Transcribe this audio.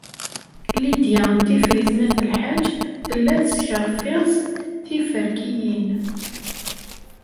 Lidya n Tifrit n At Lḥaǧ tella teskerfiẓ tiferkiyin.